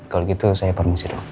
kalau gitu saya permisi dong